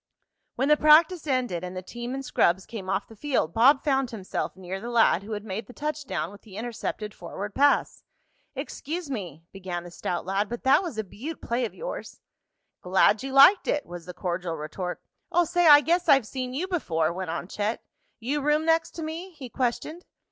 When the practice ended and the team and scrubs came off the field Bob found himself near the lad who had made the touchdown with the intercepted forward pass. "Excuse me," began the stout lad, "but that was a beaut play of yours." "Glad you liked it," was the cordial retort. "Oh, say, I guess I've seen you before!" went on Chet. "You room next to me?" he questioned.